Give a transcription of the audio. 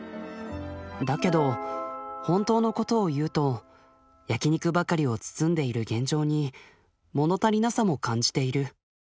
だけど本当のことを言うと焼き肉ばかりを包んでいる現状に物足りなさも感じている。